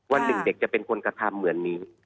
วันหนึ่งเด็กจะเป็นคนกระทำเหมือนนี้